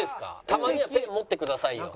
たまにはペン持ってくださいよ。